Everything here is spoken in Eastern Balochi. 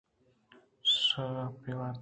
شرآپے وارت